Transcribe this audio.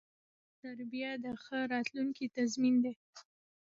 ښه تربیه د ښه راتلونکي تضمین دی.